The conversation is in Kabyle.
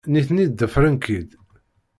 Nitni ḍefren-k-id.